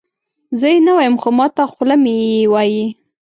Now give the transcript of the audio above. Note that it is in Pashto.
زه یې نه وایم خو ماته خوله مې یې وایي.